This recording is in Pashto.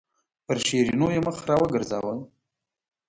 پر شیرینو یې مخ راوګرځاوه.